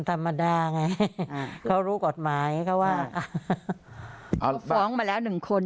ธรรมดาไงเขารู้กฎหมายเขาว่าเขาฟ้องมาแล้วหนึ่งคน